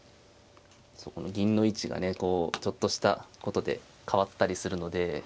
そこの銀の位置がねこうちょっとしたことで変わったりするので。